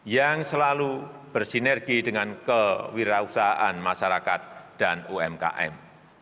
yang selalu bersinergi dengan kewirausahaan masyarakat dan umkm